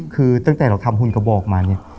คือตั้งแต่เราทำหุ่นกระบอกมาเนี่ย